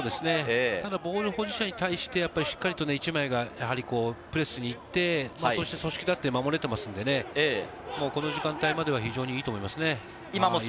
ただボール保持者に対してしっかり１枚プレスに行って、組織立って守れていますので、この時間帯までは非常にいいと思います。